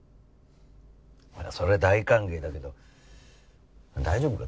そりゃ大歓迎だけど大丈夫か？